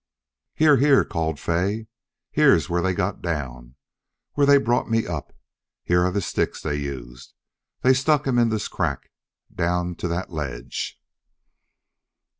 "Here! Here!" called Fay. "Here's where they got down where they brought me up. Here are the sticks they used. They stuck them in this crack, down to that ledge."